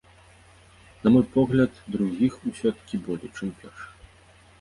На мой погляд, другіх усё-ткі болей, чым першых.